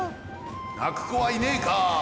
なくこはいねえか！